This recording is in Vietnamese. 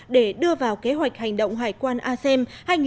để đưa vào kế hoạch hành động hải quan asem hai nghìn hai mươi hai nghìn hai mươi một